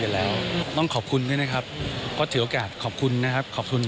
อย่างน้องขอบคุณด้วยนะครับเกราะเทียบโอกาสขอบคุณนะครับขอบคุณ